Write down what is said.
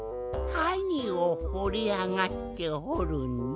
はにをほりあがってほるんじゃ？